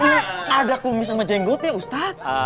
ini ada kumis sama jenggotnya ustadz